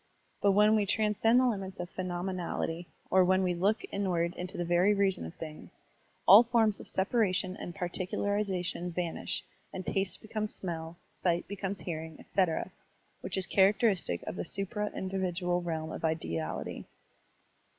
But when we transcend the limits of phenomenality, or when we look inward into the very reason of things, all forms of separation and particulariza tion vanish, and taste becomes smell, sight becomes hearing, etc., which is characteristic of the supra individual realm of ideality.